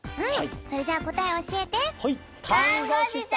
それじゃあこたえおしえて！